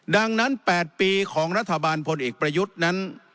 ดังนั้น๘ปีของรัฐบาลพลเอกประยุทธ์นั้น